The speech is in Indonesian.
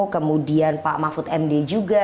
kemudian pak mahfud md juga